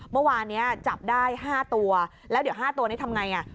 เมื่อวานนี้จับได้๕ตัวแล้วเดี๋ยว๕ตัวนี้ทำไงอ่ะ